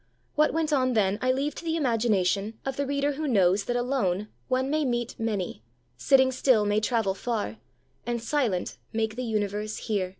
What went on then I leave to the imagination of the reader who knows that alone one may meet many, sitting still may travel far, and silent make the universe hear.